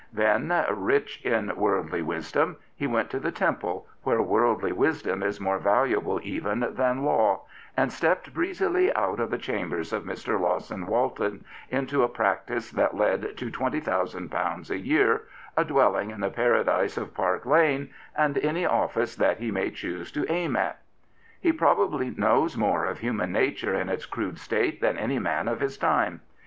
Then, rich in worldly wisdom, he went to the Temple, where worldly wisdom is more valuable even than law, and stepped breezily out of the chambers of Mr. Lawson Walton into a practice that led to £20,000 a year, a dwelling in the paradise of Park Lane, and any office that he may choose to aim at. He probably knows more of human nature in its crude state than any man of his time.